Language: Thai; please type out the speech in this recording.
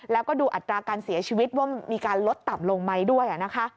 แล้วก็ดูอัตราการเสียชีวิตว่ามีการลดต่ำลงไหมด้วยนะคะ